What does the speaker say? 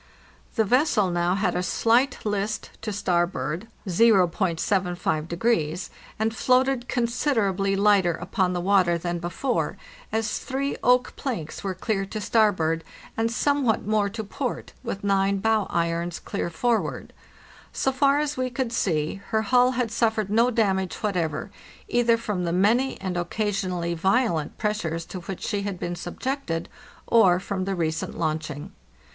The vessel now had a slight list to starboard (0.75°), and * A small keelless boat. JUNE 22 TO AUGUST 15, 1895 643 floated considerably lighter upon the water than before, as three oak planks were clear to starboard, and somewhat more to port, with nine bow irons clear forward. So far as we could see, her hull had suffered no damage whatever, either from the many and occasionally violent pressures to which she had been subjected, or from the recent launching.